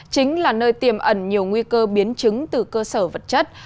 chính là nơi tiềm ẩn nhiều nguy cơ biến chứng từ cơ sở vật chất